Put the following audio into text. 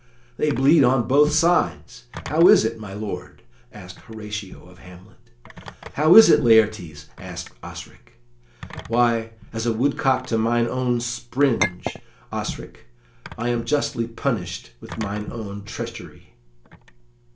"They bleed on both sides. How is it, my lord?" asked Horatio of Hamlet. "How is it, Laertes?" asked Osric. "Why, as a woodcock to mine own springe, Osric; I am justly punished with mine own treachery."